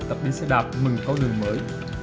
tập đi xe đạp mừng câu đường mới